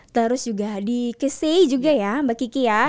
terus juga di kesi juga ya mbak kiki ya